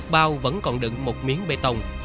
một bao vẫn còn đựng một miếng bê tông